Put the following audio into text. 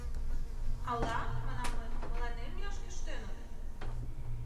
— Ала, — манам мый, — мыланем мияш кӱштеныт?